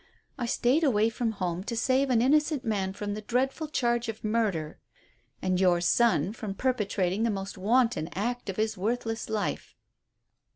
I stayed away from home to save an innocent man from the dreadful charge of murder, and your son from perpetrating the most wanton act of his worthless life."